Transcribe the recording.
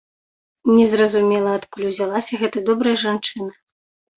Не зразумела адкуль узялася гэта добрая жанчына.